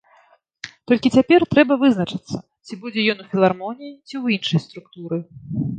Толькі цяпер трэба вызначыцца, ці будзе ён у філармоніі, ці ў іншай структуры.